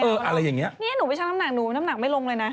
อะไรอย่างเงี้เนี่ยหนูไปชั่งน้ำหนักหนูน้ำหนักไม่ลงเลยนะ